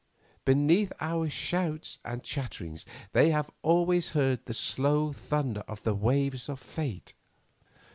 Beneath our shouts and chattering they have always heard the slow thunder of the waves of Fate.